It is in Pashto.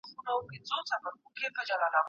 احساسات چلن رهبري کوي.